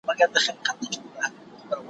په يوه تاخته يې پى كړله مزلونه